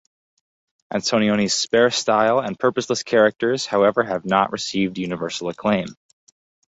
Antonioni's spare style and purposeless characters, however, have not received universal acclaim.